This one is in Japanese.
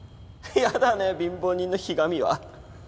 やだね貧乏人のひがみは。